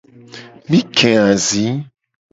Mi ke azi.